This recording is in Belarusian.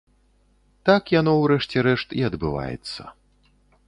Так яно, у рэшце рэшт, і адбываецца.